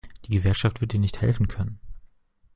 Die Gewerkschaft wird dir nicht helfen können.